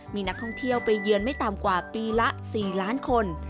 มีนักท่องเที่ยวไปเยือนไม่ต่ำกว่าปีละ๔ล้านคน